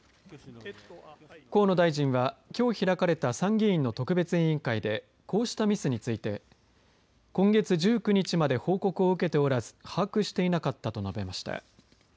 河野大臣はきょう開かれた参議院の特別委員会でこうしたミスについて今月１９日まで報告を受けておらず把握していなかったと述べました。